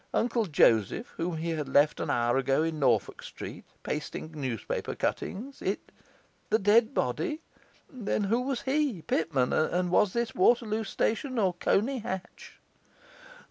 Uncle Joseph, whom he had left an hour ago in Norfolk Street, pasting newspaper cuttings? it? the dead body? then who was he, Pitman? and was this Waterloo Station or Colney Hatch?